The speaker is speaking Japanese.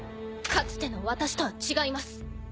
かつての私とは違います。